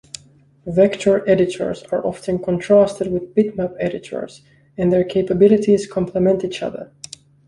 Vector editors are often contrasted with bitmap editors, and their capabilities complement each other.